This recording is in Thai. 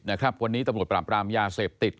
นะครับวันนี้ตำรวจปราบรามยาเสพติด